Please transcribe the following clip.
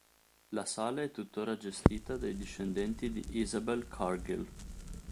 La Sala è tuttora gestita dai discendenti di Isabel Cargill.